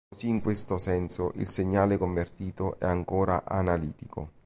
Così, in questo senso, il segnale convertito è ancora "analitico".